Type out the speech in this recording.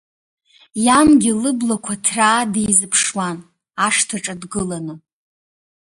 Иангьы лыблақәа ҭраа дизыԥшуан, ашҭаҿы дгыланы.